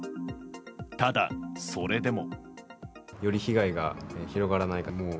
ただ、それでも。